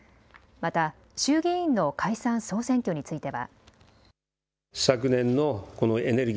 また衆議院の解散・総選挙については。